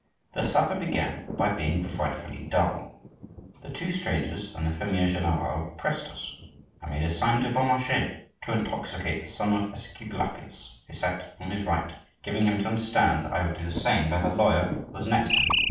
The supper began by being frightfully dull. The two strangers and the fermier general oppressed us. I made a sign to Beaumarchais to intoxicate the son of Esculapius, who sat on his right, giving him to understand that I would do the same by the lawyer, who was next to me.